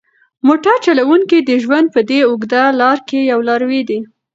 موټر چلونکی د ژوند په دې اوږده لاره کې یو لاروی دی.